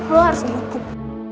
lo harus dihukum